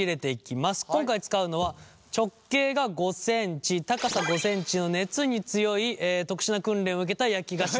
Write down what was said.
今回使うのは直径が５ｃｍ高さ５ｃｍの熱に強い特殊な訓練を受けた焼き菓子の。